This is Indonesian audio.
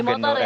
di motor ya